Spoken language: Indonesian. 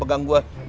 seorang pem chipid